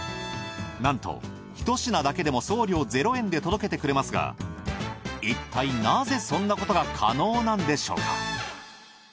なんと１品だけでも送料０円で届けてくれますがいったいなぜそんなことが可能なのでしょうか？